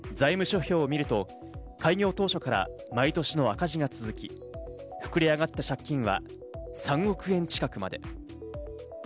財務諸表を見ると、開業当初から毎年の赤字が続き、膨れ上がった借金は３億円近くまで。